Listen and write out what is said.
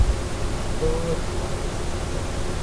ده وویل چې زامن یې شتمن دي.